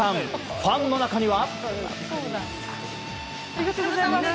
ファンの中には。